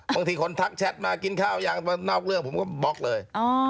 บางทีคนทักแชทมากินข้าวยังนอกเรื่องผมก็บล็อกเลย